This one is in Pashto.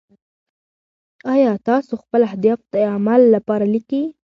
ایا تاسو خپل اهداف د عمل لپاره لیکلي؟